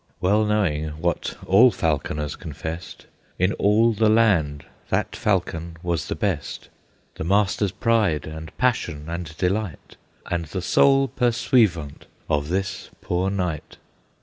Well knowing, what all falconers confessed, In all the land that falcon was the best, The master's pride and passion and delight, And the sole pursuivant of this poor knight.